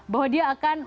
bahwa dia akan